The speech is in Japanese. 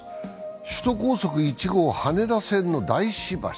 首都高速１号羽田線の大師橋。